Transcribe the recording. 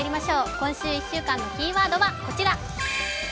今週１週間のキーワードはこちら「本」。